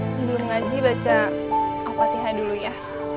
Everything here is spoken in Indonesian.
sebelum ngaji baca wafat hiha dulu ya